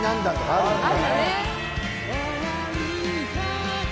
「あるよね」